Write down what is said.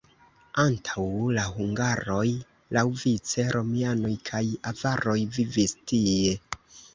Antaŭ la hungaroj laŭvice romianoj kaj avaroj vivis tie.